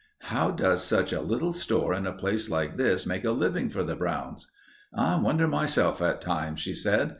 "How does such a little store in a place like this make a living for the Browns?" "I wonder myself, at times," she said.